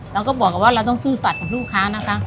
เราก็บอกกับว่าเราต้องซื่อสัตว์กับลูกค้านะคะ